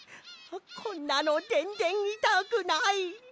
こんなのぜんぜんいたくない！